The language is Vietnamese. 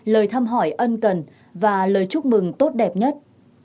lời thăm hỏi ân cần và lời chúc mừng tốt đẹp nhất